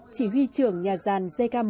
chỉ huy trưởng nhà giàn zk một